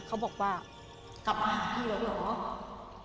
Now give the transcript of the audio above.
เขาบอกว่ากลับมาหาพี่เหรอ